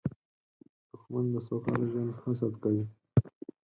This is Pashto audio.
دښمن د سوکاله ژوند حسد کوي